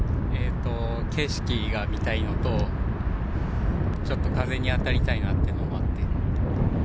景色が見たいのと、ちょっと風に当たりたいなっていうのもあって。